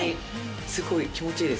すごい気持ちいいです。